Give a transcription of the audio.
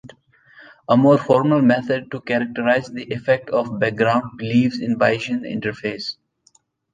A more formal method to characterize the effect of background beliefs is Bayesian inference.